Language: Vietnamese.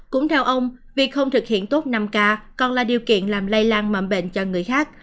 cũng theo ông việc không thực hiện tốt năm k còn là điều kiện làm lây lan mầm bệnh cho người khác